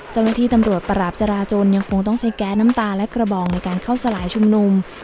เจ้าหน้าที่ตำรวจปราบจราจนยังคงต้องใช้แก๊สน้ำตาและกระบองในการเข้าสลายชุมนุม